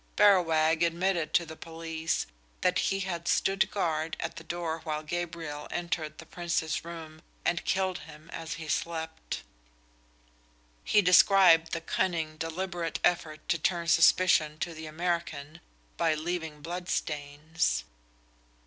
Berrowag admitted to the police that he had stood guard at the door while Gabriel entered the Prince's room and killed him as he slept. He described the cunning, deliberate effort to turn suspicion to the American by leaving bloodstains.